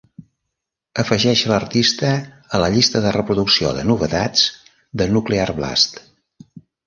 Afegeix l'artista a la llista de reproducció de novetats de Nuclear Blast.